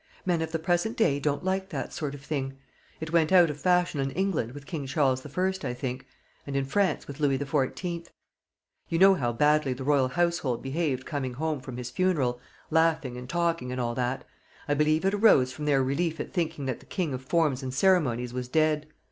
Men of the present day don't like that sort of thing. It went out of fashion in England with King Charles I., I think, and in France with Louis XIV. You know how badly the royal household behaved coming home from his funeral, laughing and talking and all that: I believe it arose from their relief at thinking that the king of forms and ceremonies was dead.